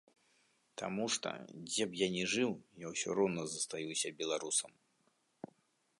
Таму што, дзе б я не жыў, я ўсё роўна застаюся беларусам.